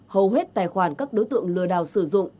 hầu hết tài khoản các đối tượng lừa đảo sử dụng